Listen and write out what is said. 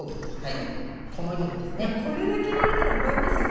いやこれだけ言われたら覚えますよ